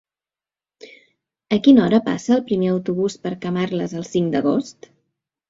A quina hora passa el primer autobús per Camarles el cinc d'agost?